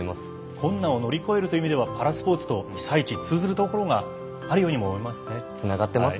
困難を乗り越えるという意味ではパラスポーツと被災地通じるところがあるように思いますね。